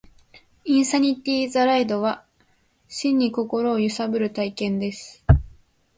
インサニティ・ザ・ライドは、真に心を揺さぶる体験です